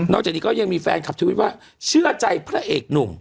จากนี้ก็ยังมีแฟนคลับทวิตว่าเชื่อใจพระเอกหนุ่ม